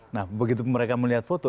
nah begitu mereka melihat foto